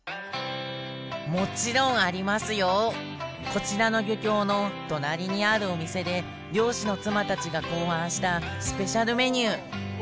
こちらの漁協の隣にあるお店で漁師の妻たちが考案したスペシャルメニュー。